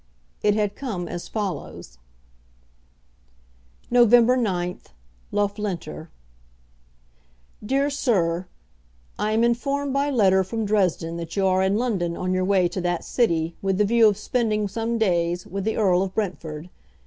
It had come as follows: November 9th, Loughlinter. DEAR SIR, I am informed by letter from Dresden that you are in London on your way to that city with the view of spending some days with the Earl of Brentford.